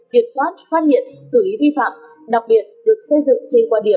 kiểm soát phát hiện xử lý vi phạm đặc biệt được xây dựng trên quan điểm